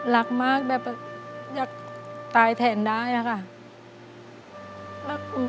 รักมากแบบอยากตายแทนได้อะค่ะ